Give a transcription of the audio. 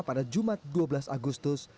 pada jumat dua belas agustus